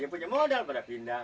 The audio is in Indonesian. yang punya modal pada pindah